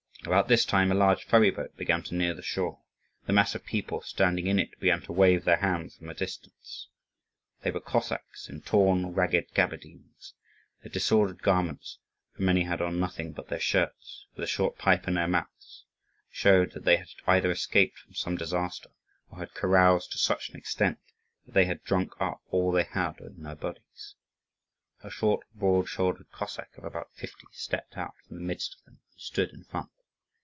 About this time a large ferry boat began to near the shore. The mass of people standing in it began to wave their hands from a distance. They were Cossacks in torn, ragged gaberdines. Their disordered garments, for many had on nothing but their shirts, with a short pipe in their mouths, showed that they had either escaped from some disaster or had caroused to such an extent that they had drunk up all they had on their bodies. A short, broad shouldered Cossack of about fifty stepped out from the midst of them and stood in front.